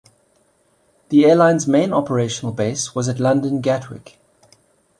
The airline's main operational base was at London Gatwick.